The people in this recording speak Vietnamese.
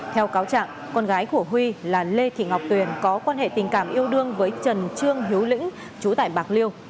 theo cáo trạng con gái của huy là lê thị ngọc tuyền có quan hệ tình cảm yêu đương với trần trương hiếu lĩnh chú tại bạc liêu